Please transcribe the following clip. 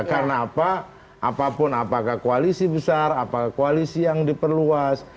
karena apa apapun apakah koalisi besar apakah koalisi yang diperluas